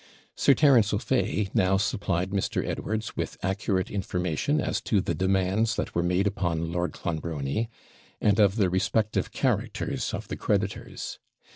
Sir Terence O'Fay now supplied Mr. Edwards with accurate information as to the demands that were made upon Lord Clonbrony, and of the respective characters of the creditors.